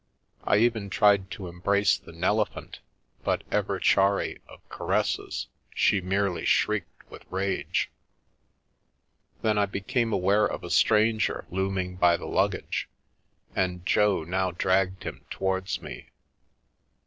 I even tried to embrace the Nelephant, but, ever chary of ca resses, she merely shrieked with rage. Then I became aware of a stranger looming by the luggage, and Jo now dragged him towards me.